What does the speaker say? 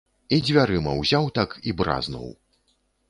І дзвярыма ўзяў так, і бразнуў.